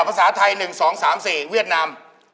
ภาษาไทย๑๒๓๔เวียดนาม